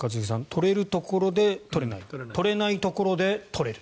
取れるところで取れない取れないところで取れる。